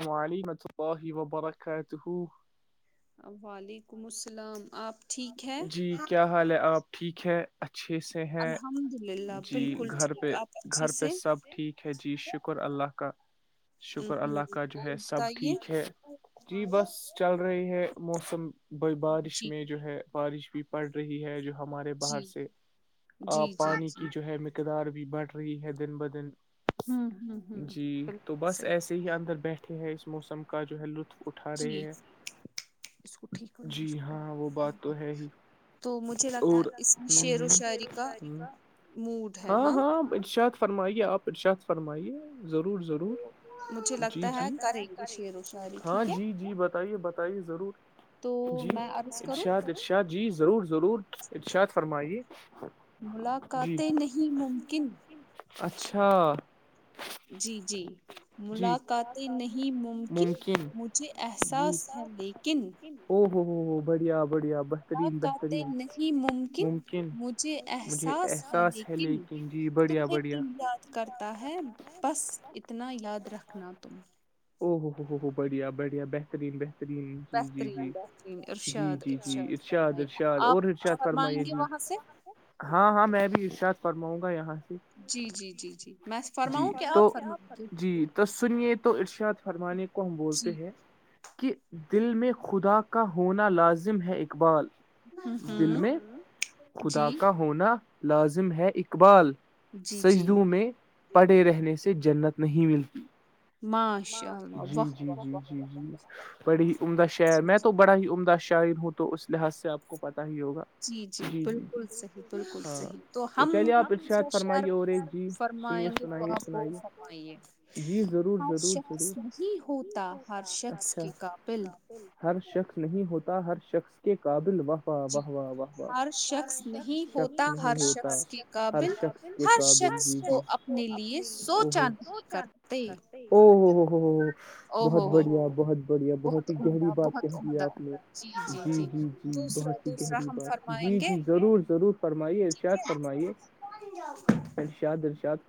السلام علیکم ورحمۃ اللہ وبرکاتہ وعلیکم السلام آپ جی کیا حال ہے آپ ٹھیک ہیں اچھے سے ہیں جی گھر پہ گھر پہ سب ٹھیک ہے جی شکر اللہ کا شکر اللہ کا جو ہے سب ٹھیک ہے جی بس چل رہی ہے موسم بارش میں جو ہے بارش بھی پڑ رہی ہے جو ہمارے باہر سے آ پانی کی جو ہے مقدار بھی بڑھ رہی ہے دن بہ دن جی تو بس ایسے ہی اندر بیٹھے ہیں اس موسم کا جو ہے لطف اٹھا رہے ہیں جی ہاں وہ بات تو ہے ہی اور شعر و شاعری کا ہاں ہاں فرمائیے آپ ارشاد فرمائیے ضرور ضرور جی جی ہاں جی جی بتائیے بتائیے ضرور تو میں عرض کروں ارشاد ارشاد جی ضرور ضرور ارشاد فرمائیے ملاقاتیں نہیں ممکن اچھا جی جی ملاقاتیں نہیں ممکن مجھے احساس ہیں لیکن او ہو ہو ہو بڑھیا بڑھیا ملاقاتیں نہیں ممکن مجھے احساس ہے لیکن تمہیں دل یاد کرتا ہے بس اتنا یاد رکھنا تم او ہو ہو ہو ہو بڑھیا بڑھیا بہترین بہترین جی جی جی جی جی جی ارشاد ارشاد اور ارشاد فرمائیے جی ہاں ہاں میں بھی ارشاد فرماؤں گا یہاں سے جی تو جی تو سنیے تو ارشاد فرمانے کو ہم بولتے ہیں کہ دل میں خدا کا ہونا لازم ہے اقبال دل میں خدا کا ہونا لازم ہے اقبال سجدو میں پڑے رہنے سے جنت نہیں ملتی جی جی جی جی جی بڑی ہی عمدہ شاعر میں تو بڑا ہی عمدہ شاعر ہوں تو اس لحاظ سے آپ کو پتا ہی ہوگا جی جی بالکل صحیح بالکل صحیح تو ہم دوسرا شہر فرمائیں گے تو آپ وہ فرمائیے ہ شخص نہیں ہوتا ہر شخص کے قابل ہر شخص نہیں ہوتا ہر شخص کے قابل وقت واہ واہ واہ واہ واہ شخص نہیں ہوتا ہر شخص ہر شخص کو اپنے لیے سوچا نہیں کرتے ہ ہوں ہ ہ بہت بڑھیا بہت بڑھیا بہت ہی گہری بات کہہ د آپ نے جی جی جی جی بہت ہی گہری بات جی جی ضرور ضرور فرمائیے شاید فرمائیے جاپ ارشاد درشاد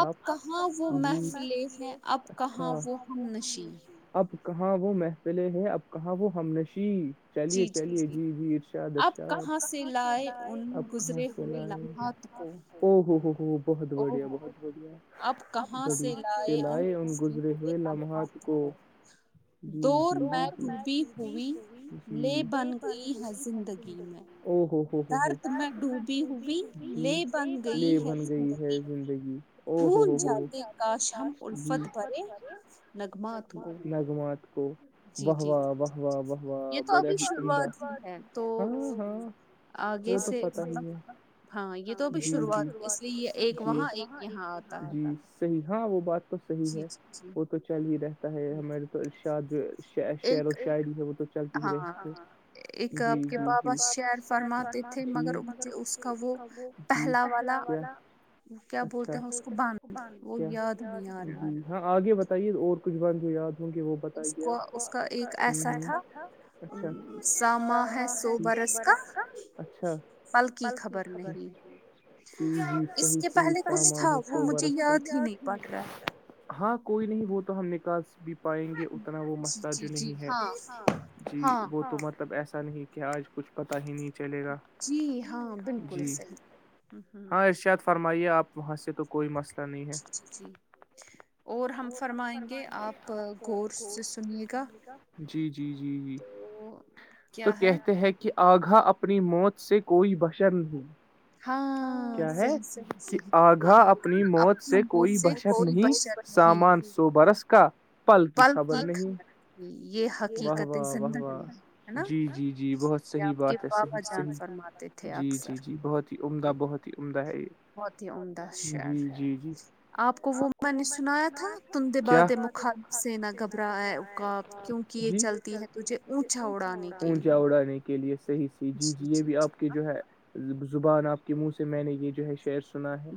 اب کہاں وہ محفلیں ہیں اب کہاں وہ ہمنشیں اب کہاں وہ محفلیں ہے اب کہاں وہ ہمنشی چلیے چلیے جی جی ارشاد ارشاد کہاں سے لائے آپ کہاں سے لائے او ہو ہو ہو بہت بڑیا بہت بڑیا بڑی س لائے گزرے ہوئے لمحات کو ج میں پ ہو بن گئی ہے زندگی او ہوو ہو ہو ہو لے بن گئی ہے زندگی او ہو ہو ہوش ج نم نگمات کو واہ واہ واہ واہ واہ واہ بڑا ہی سنا ہاں ہاں وہ تو پتا ہی ہے ہاں یہ د بھی شروعات اسے ایک وہاں ایک یہاںتا صحیح ہاں وہ بات تو صحیح ہے وہ تو چل ہی رہتا ہے ہمے تو شاد جو شعر و شاعری ہے وہ تو چلتی ہی رہتی ایک آپ کے بابا شعر فرماتے تھے مگر مجھے اس کا وہ وہ پہلا والا وہ کیا بولتے ہیں اس کو بند وہ یاد ج نہیںیارا ہاں آگے بتائیے اور کچھ بن جو یاد وہ بت گ آپ اس کا تھا اچھا ساما ہے تورس اچھا ر جی جی صحیح صحیح سامان ہے پٹ رہا ہاں کوئی نہیں وہ تو ہم نےکا بھی پائیں گے اتنا وہ مسئ جو نہیں ہے جی وہ تو مطلب ایسا نہیں کہ آج کچھ پتا ہی نہیں چلے گا جی ہاں ارشاد فرمائیے آپ وہاں سے تو کوئی مسئلہ نہیں ہے اسی اور ہم فرمائیں گے آپ کا جی جی جی جی تو کہتے ہیں کہ آگھا اپنی موت سے کوئی بشر نہیں کیا ہے کہ آگھا اپنی موت سے کوئی بشت نہیں سامان سو برس کا پل کی خبر نہیں واہ واہ واہ واہ جی جی جی بہت صحیح بات ہے صحیح صحیح جی جی جی بہت ہی عمدہ بہت ہی عمدہ ہے یہ بہت ہی عمدہ شعر ہے آپ کو وہ میں نے سنایا تھا تھا تم د باد مخالف سے نہا گھبرائے اقاب کیونکہ یہ چلتا ہے تجھے اونچا اڑانے کے لیے کرنے کے لیے صحیح سی جی جی یہ بھی آپ کے جو ہے زبان آپ کے منہ سے میں نے یہ جو ہے شیر سنا ہے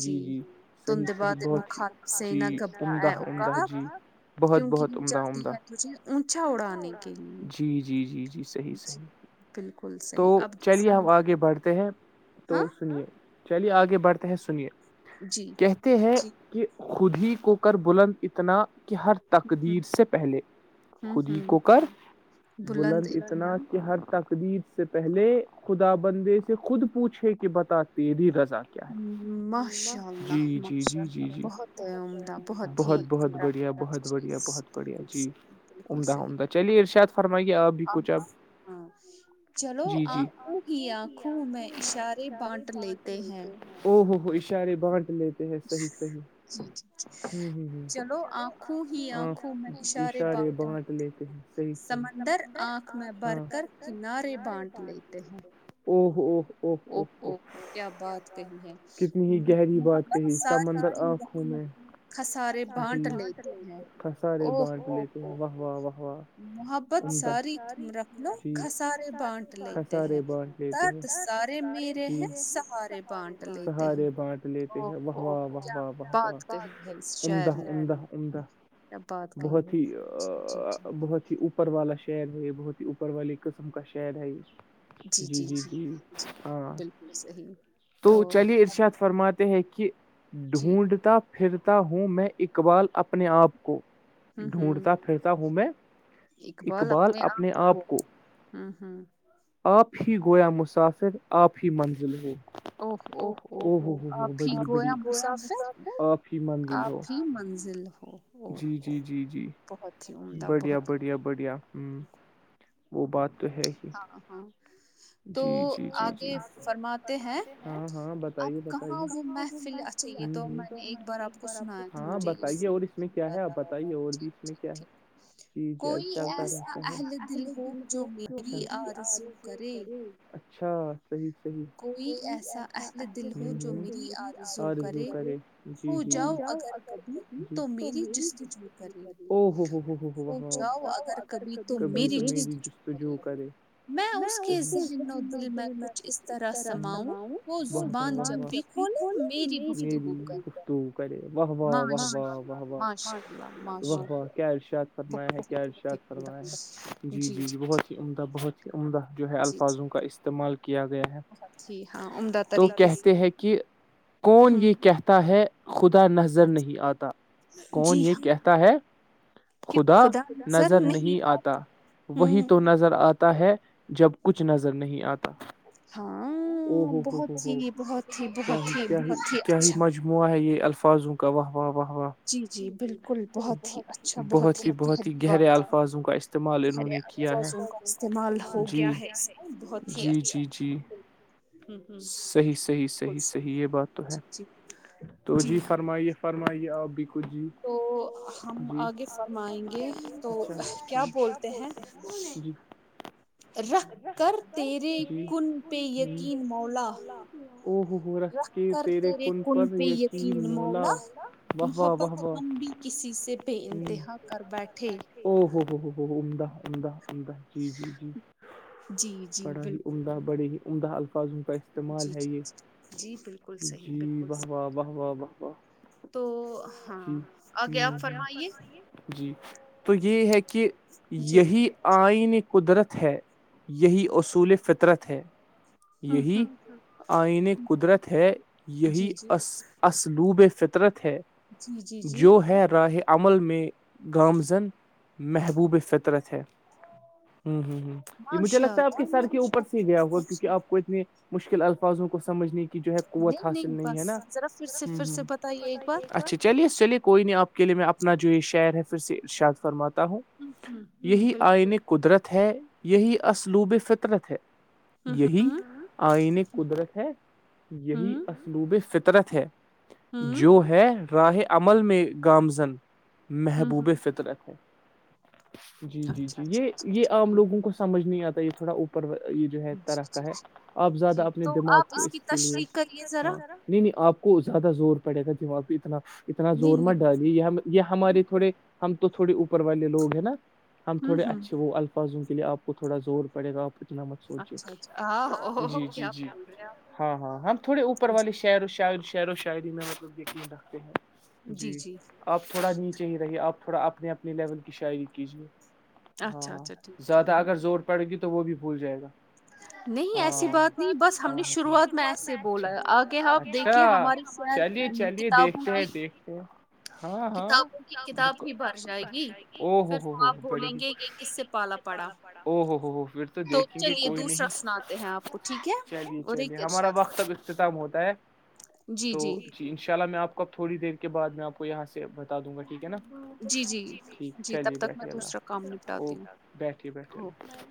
جی جی صحیح صحیح بہت ہیھیک جی تمد عد جی بہت بہت عمدہ عمدہ جی جی جی جی سحی سی تو چلیے ہم آگے بڑھتے ہیں تو سنیے چلیے آگے بڑھتے ہیں سنیے کہتے ہیں خود ہی کو کر بلند اتنا کہ ہر تقدیر سے پہلے خودی کو کر بلند اتنا کہ ہر تقریب سے پہلے خدا بندے سے خود پوچھے کہ بتاتی دھی رضا جی جی جی جی جی ب بہت بہت بڑھیا بہت بڑیا بہت بڑیا جی عمد آمد چلیے ارشاد فرمائیے آپ ہاں چلو آکھوں گ آنکھوں میں اشارے بانٹ لیتی ت ہیں او ہوو ہو اشارے بانٹ لیتے ہیں صحیح صحیح جی جی ہ ہ ہ اشارے بانٹ لیتے ہیں صحیحح سمندر آنکھ بھر کر کنارے بانٹ لیتے ہیں او ہوو ہو او او او کتنی ہی گہری بات کہی سمندر آپ ارے بانٹ لیتے واہ واہ واہ واہ خسارے بانٹ لیتے ہیں سارےار سہارے بانٹ لیتے ہیں واہ واہ واہ واہ و واہ عمدہ عمدہ عمدہ بہت ہی ا بہت اوپر والا شہر ہے یہ بہت ہی اوپر والی قسم کا شہر ہے یہ جی جی جی ہاں تو چلیے ارشاد فرماتے ہیں کہ ڈھونڈتا پھرتا ہوں میں اقبال اپنے آپ کو ڈھونڈتا پھرتا ہ میں اقبال اپنے آ کو ہ ہوں آپ ہی گویا مسافر آپ ہی منزل ہو اوہ اوہ اوہ ہووہ آپ ہی گویا مسافر آپ ہی منزل ہو او ہو بہت ہی عمدہ بہت بڑھیا بڑھیا ہ وہ بات تو ہے ہی ہاں ہاں جی جی جی جی ہاں ہاں بتائیے بتائیے بارپ ہاں بتائیے اور اس میں کیا ہے آپ بتائیے اور بھی اس میں کیا ہے [inaudible] جی جی چلتا رہتا ہےل دل [inaudible] اچھا حیححیح کوئی ایسا رزو کرے [inaudible] جی جی جاؤ اگر تو م ج ا ہو ہو [inaudible] کبھی تو م جست کرے [inaudible] ا بھی م [inaudible] ترا سماؤان جی کول م [inaudible] واہ واہ واہ واہ واہ واہ واہ واہ [inaudible] فرمایا ہے کیا ارش فرمایا ہے جی جی جی بہت ہی عمدہ بہت عمدہ جو ہے الفاظوں کا استعمال کیا گیا تو کہتے ہیں کہ کون یہ کہتا ہے خدا نظر نہیں آتا کون یہ کہتا ہے خدا نظر نہیں آتا وہی تو نظر آتا ہے جب کچھ نظر نہیں آتا او ہو ہو ہو ہو کیا ہی کیا ہی کیا ہی مج [inaudible] ججموعہ ہے یہ الفاظوں کا واہ واہ واہ واہ [inaudible] جی جی بالکل بہت ہی بہت ہی بہت ہی گہرے الفاظوں کا استعمال انہوں نے کیا ہے جی جی جی جی صحیح صحی صحی صحیح یہ بات تو ہے تو جی فرمائیے فرمائیے آپ ب کچ جی [inaudible] جی اچھا کیا بولتے ہیں کون ہیں جی [inaudible] ہ [inaudible] رکھ کر تیرے کن پہ یقین مولا او ہوو [inaudible] رکھ کر ترے کن پہ یقین مولا محبت ہم بھی کسی سے بے انتہا کر بیٹھے او ہو ہو ہو ہو عمدہ عمدہ عمدہ جی جی جی [inaudible] جی بڑا ہی عمدہ بڑے ہی عمدہ الفاظوں کا استعمال ہے یہ جی واہ واہ واہ واہ واہ واہ [inaudible] تو جی ہ ف جی تو یہ ہے کہ یہی [inaudible] آئینی قدرت ہے یہی اصول فطرت ہے یہی آئین قدرت ہے یہی اس اسلوب فطرت ہے جو ہے راہ عمل میں گامزن محبوب فطرت ہے ہوں ہ ہ یہ مجھے لگتا ہے آ کے سر کے اوپر سے ہی گیا ہوا کیونکہ آپ کو اتنی مشکل الفاظوں کو سمجھنے جو ہے قوت حاصل نہیں ہے نا ہ ہ اچھا اچ چلیے چلیے کوئی نہیں آپ کے لیے میں اپنا جو یہ شاعر ہے پھر سے ارشاد فرماتا ہوں یہی آئین قدرت ہے یہی اسلوب فطرت ہے یہی آئین قدرت ہے یہی اسلوب فطرت ہے جو ہے راہ عمل میں گامزن محبوب فطر ہے جی جی جی یہ یہ عام لوگوں کو سمجھ نہیں آتا یہ تھوڑا اوپر یہ جو ہے طرح کا ہے آپ زیادہ اپنے دماغ کو اس کے لیے ہاں نہیں نہیں آپ کو زیادہ زور پڑے گا دماغہ اتنا اتنا زور مت ڈالی یہ ہم یہ ہمارے تھوڑے ہم تو تھوڑے اوپر والے لوگ ہیں نا ہم تھوڑے اچھے وہ الفاظوں کے لیے آپ کو تھوڑا زور پڑے گا آپ کو اتنا مت سوچے جی جی جی ہاں ہاں ہم تھوڑے اوپر والے شعر و شاعر شعر و شاعری میں مطلب یقین رکھتے ہیں جی آپ تھوڑا نیچے رہ آپ تھوڑا اپنے اپنے لیول کی شاعری کیجیے ہاں ہاں زیادہ اگر زور پ پڑے گی تو وہ بھی بھول جائے گا نہیں ایسی بات نہیں شروعات میں بولا چلیے چلیے دیکھتے ہیں دیکھتے ہیں ہاں ہاں بک ا ہو ہو ہو ہو بڑی او ہو ہو ہو پھر تو دیکھیں گے کوئی نہیں چلیے چلیے ہمارا وقتب اتتم ہوتا ہے جی جی جی ان شاء اللہ میں آپ کو اب تھڑی دیر کے بعد میں آپ کو یہاں سے بتا دوں گا ٹھیک ہے نا ٹھیک چلیے بیٹھیے اللہ اوکے بیٹھیے بیٹے اللہ